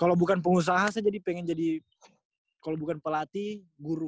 kalau bukan pengusaha saya jadi pengen jadi kalau bukan pelatih guru